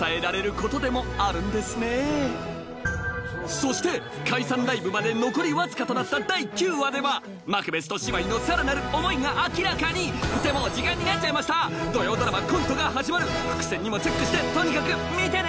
そして解散ライブまで残りわずかとなった第９話ではマクベスと姉妹のさらなる思いが明らかにってもう時間になっちゃいました土曜ドラマ『コントが始まる』伏線にもチェックしてとにかく見てね！